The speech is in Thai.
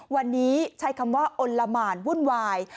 วันนี้ใช้คำว่าอลละหมานวุ่นวาย